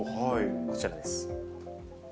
こちらです。